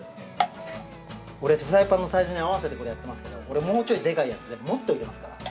フライパンのサイズに合わせてやってますけど俺もうちょいでかいやつでもっと入れます。